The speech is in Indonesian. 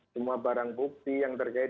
semua barang bukti yang terkait